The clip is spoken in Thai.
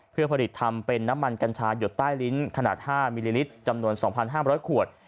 เพื่อผลิตทำเป็นน้ำมันกัญชาหยดใต้ลิ้นขนาด๕มิลลิลิตรจำนวน๒๕๐๐ขวด